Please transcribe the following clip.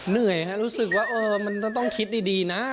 เหนื่อยฮะรู้สึกว่ามันต้องคิดดีนะ